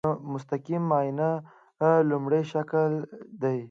مستقیم معاینه لومړی شکل دی.